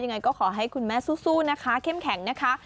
ยังไงก็ขอให้คุณแม่สู้นะคะเข้มแข็งนะคะ